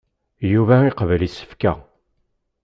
Yuba iqebbel isefka.